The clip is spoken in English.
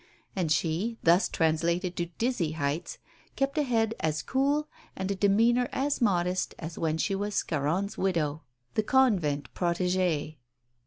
And she thus translated to dizzy heights kept a head as cool and a demeanour as modest as when she was "Scarron's widow," the convent protégée.